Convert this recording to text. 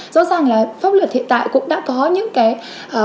rõ ràng là pháp luật hiện tại cũng đã có những cái